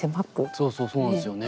そうそうそうなんですよね。